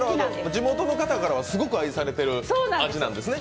地元の方からはすごく愛されてる味なんですね。